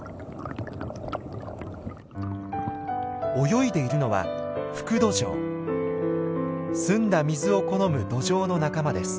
泳いでいるのは澄んだ水を好むドジョウの仲間です。